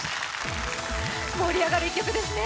盛り上がる一曲ですね。